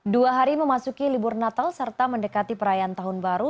dua hari memasuki libur natal serta mendekati perayaan tahun baru